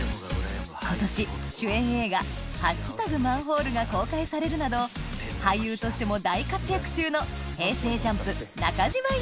今年主演映画『＃マンホール』が公開されるなど俳優としても大活躍中のさぁ